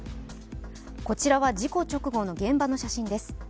こちらは、事故直後の現場の写真です。